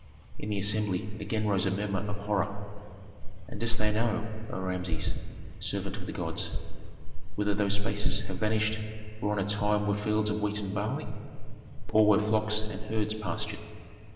In the assembly again rose a murmur of horror. "And dost thou know, O Rameses, servant of the gods, whither those spaces have vanished where on a time were fields of wheat and barley, or where flocks and herds pastured?